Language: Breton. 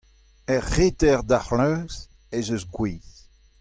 Er reter d'ar c'hleuz ez eus gwez.